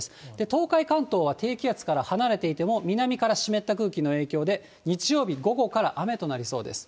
東海関東は低気圧から離れていても、南から湿った空気の影響で、日曜日午後から雨となりそうです。